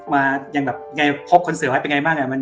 มาอย่างแบบพบคนเสือไว้เป็นยังไงบ้าง